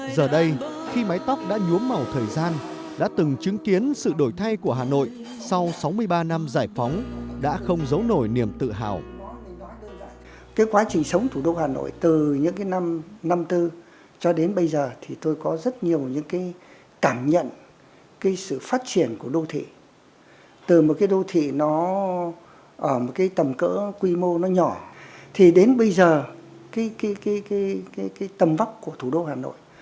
giờ đây khi mái tóc đã nhuốm màu thời gian đã từng chứng kiến sự đổi thay của hà nội sau sáu mươi ba năm giải phóng đã không giấu nổi niềm tự hào